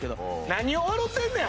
何を笑うてんねん！